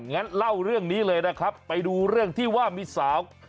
งั้นเล่าเรื่องนี้เลยนะครับไปดูเรื่องที่ว่ามีสาว